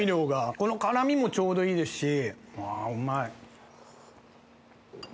この辛みもちょうどいいですしうわ